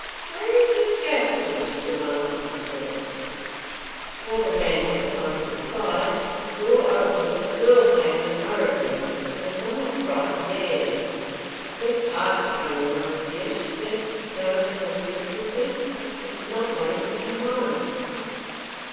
"Where is Miss Gaston?" she demanded of the servant. Before the man had time to reply, the door opened, and a girl came in hurriedly, with a somewhat frightened air. "I beg pardon, grandmamma dear," she said, going to her seat quickly. "I did not know you had come home."